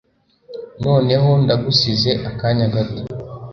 Noneho ndagusize akanya gato